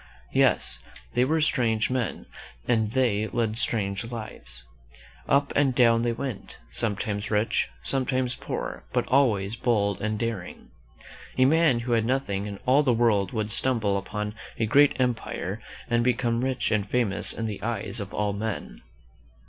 Yes, they were strange men and they led strange lives. Up and down they went, some times rich, sometimes poor, but always bold and daring, A man who had nothing in all the world would stumble upon a great empire and become rich and famous in the eyes of all men.